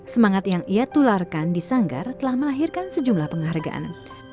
semangat yang ia tularkan di sanggar telah melahirkan sejumlah penghargaan